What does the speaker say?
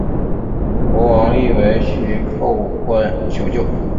国王黎维祁叩关求救。